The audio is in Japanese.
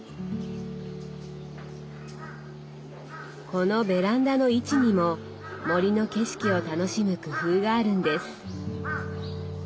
このベランダの位置にも森の景色を楽しむ工夫があるんです。